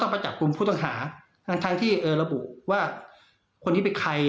ต้องมาจับกุมผู้ต่างหาทั้งที่ระบุว่าคนที่ไปใคร